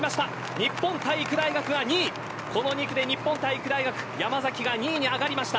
日本体育大学が２位この２区で山崎が２位に上がりました。